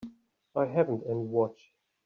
I haven't any watch.